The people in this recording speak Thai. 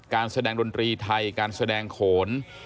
การแสดงดนตรีไทยการแสดงโขน